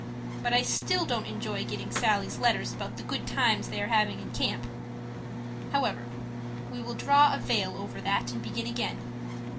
But I still don't enjoy getting Sallie's letters about the good times they are having in camp! However we will draw a veil over that and begin again.